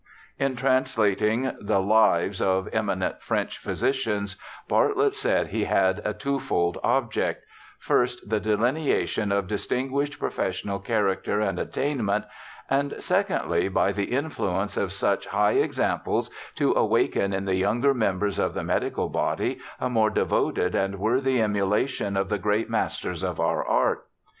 In translating the Lives 0/ Eminent French Physicians, Bartlett said he had a twofold object :' First, the delinea tion of distinguished professional character and attain ment, and, secondly, by the influence of such high examples to awaken in the younger members of the medical bod} a more devoted and worthy emulation of the great masters of our art.'